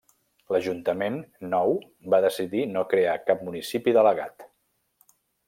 L'ajuntament nou va decidir no crear cap municipi delegat.